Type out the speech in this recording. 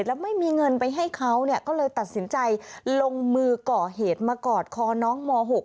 แล้วไม่มีเงินไปให้เขาเนี่ยก็เลยตัดสินใจลงมือก่อเหตุมากอดคอน้องม๖